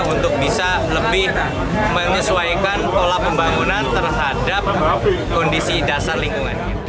untuk bisa lebih menyesuaikan pola pembangunan terhadap kondisi dasar lingkungannya